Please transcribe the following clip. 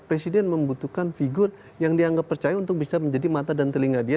presiden membutuhkan figur yang dianggap percaya untuk bisa menjadi mata dan telinga dia